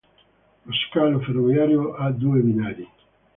Lo scalo ferroviario ha due binari.